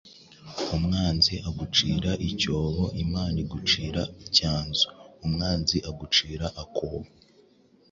Umwanzi agucira icyobo Imana igucira icyanzu Umwanzi agucira akobo